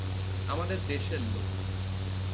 আমাদের দেশের লোক।